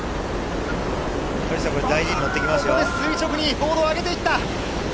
垂直にボードをあげていった。